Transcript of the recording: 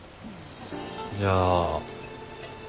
じゃあ。